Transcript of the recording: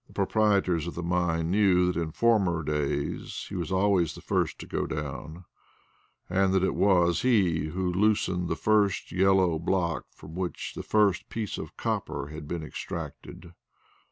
The proprietors of the mine knew that in former days he was always the first to go down, and that it was he who had loosened the first yellow block from which the first piece of copper had been extracted.